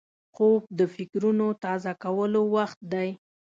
خوب د فکرونو تازه کولو وخت دی